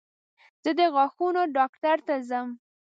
زه د غاښونو ډاکټر ته ځم.